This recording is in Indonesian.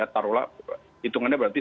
taruhlah hitungannya berarti